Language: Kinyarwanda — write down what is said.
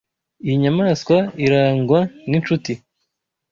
Iyi nyamaswa irangwa ninshuti.